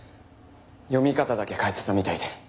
読み方だけ変えてたみたいで。